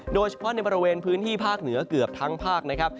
โดยเฉพาะในบริเวณพื้นที่ภาคเหนือเกือบทั้งภาคนะครับ